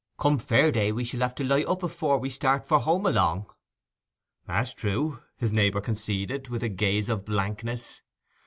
'Come fair day we shall have to light up before we start for home along.' 'That's true,' his neighbour conceded, with a gaze of blankness.